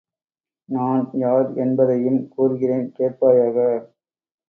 நான் யார் என்பதையும் கூறுகிறேன் கேட்பாயாக!